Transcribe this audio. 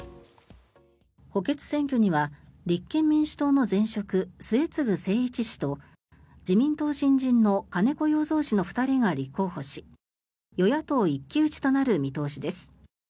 補欠選挙には立憲民主党の前職、末次精一氏と自民党新人の金子容三氏の２人が立候補し与野党一騎打ちとなる見通しです。